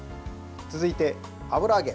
続いて、油揚げ。